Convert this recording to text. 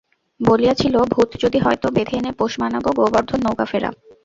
বলিয়াছিল, ভূত যদি হয় তো বেঁধে এনে পোষ মানাব গোবর্ধন, নৌকা ফেরা।